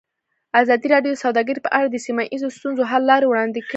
ازادي راډیو د سوداګري په اړه د سیمه ییزو ستونزو حل لارې راوړاندې کړې.